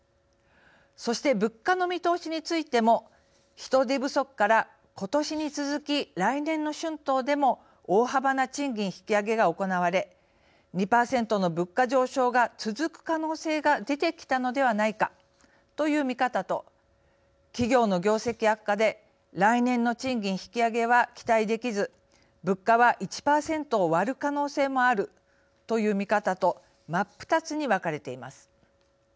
そして、物価の見通しについても人手不足から今年に続き来年の春闘でも大幅な賃金引き上げが行われ２％の物価上昇が続く可能性が出てきたのではないかという見方と企業の業績悪化で来年の賃金引き上げは期待できず物価は１％を割る可能性もあるという見方と真っ二つに分かれています。